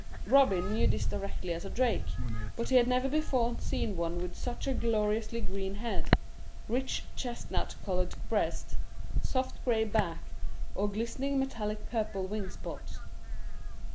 Robin knew this directly as a drake, but he had never before seen one with such a gloriously green head, rich chestnut colored breast, soft gray back, or glistening metallic purple wing spots.